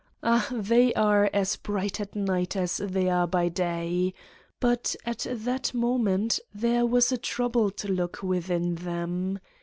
... Ah, they are as bright at night as they are by day! But at that moment there was a troubled look within them.